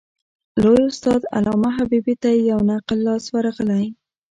لوی استاد علامه حبیبي ته یو نقل لاس ورغلی.